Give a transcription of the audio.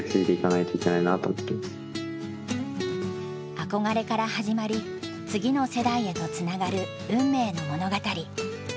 憧れから始まり次の世代へとつながる運命の物語。